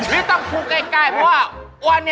ไม่ต้องพูดใกล้เพราะว่าวันนี้